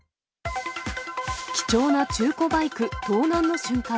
貴重な中古バイク盗難の瞬間。